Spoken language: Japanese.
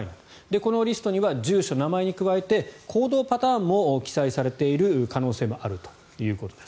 このリストには住所、名前に加えて行動パターンも記載されている可能性もあるということです。